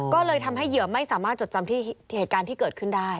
ก็เลยทำให้เหยื่อไม่สามารถจดจำที่เหตุการณ์ที่เกิดขึ้นได้